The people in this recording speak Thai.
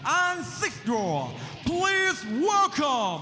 อุ้ยใครจะเปิดต่อ